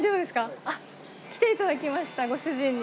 来ていただきましたご主人に。